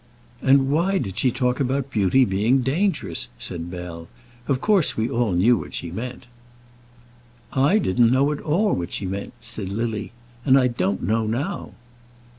"And why did she talk about beauty being dangerous?" said Bell. "Of course, we all knew what she meant." "I didn't know at all what she meant," said Lily; "and I don't know now."